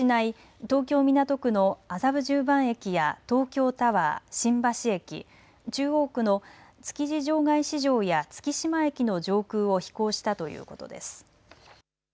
このため本来は飛行しない東京港区の麻布十番駅や東京タワー、新橋駅、中央区の築地場外市場や月島駅の上空を飛行したということです。